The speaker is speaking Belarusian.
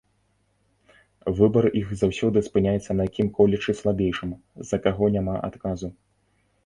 Выбар іх заўсёды спыняецца на кім-колечы слабейшым, за каго няма адказу.